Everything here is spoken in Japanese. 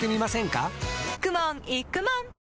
かくもんいくもん